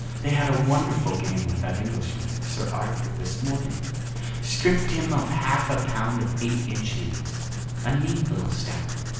They had a wonderful game with that Englishman, Sir Arthur, this morning. Stripped him of half a pound of eight inch leaves a neat little stack.